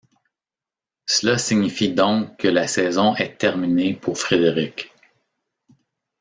Cela signifie donc que la saison est terminée pour Frédéric.